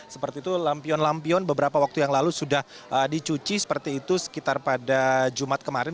seperti itu lampion lampion beberapa waktu yang lalu sudah dicuci seperti itu sekitar pada jumat kemarin